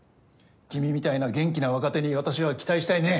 君みたいな元気な若手に私は期待したいね。